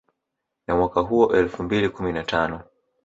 Na mwaka huo elfu mbili kumi na tano